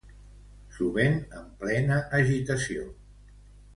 S'ho ven en plena agitació.